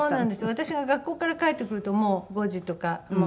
私が学校から帰ってくるともう５時とか。